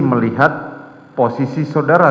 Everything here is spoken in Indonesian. melihat posisi saudara